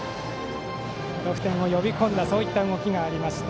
得点を呼び込んだ動きがありました。